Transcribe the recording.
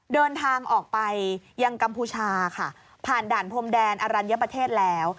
เดินทางออกไปยังกัมพูชาค่ะผ่านด่านพรมแดนอรัญญประเทศแล้ว